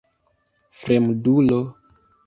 Fremdulo!